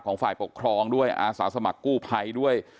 ฝ่ายปกครองด้วยอาสาสมัครกู้ภัยด้วย